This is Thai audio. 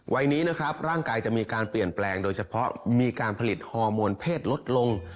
วัยนี้นะครับร่างกายจะมีการเปลี่ยนแปลงโดยเฉพาะมีการผลิตฮอร์โมนเพศลดลง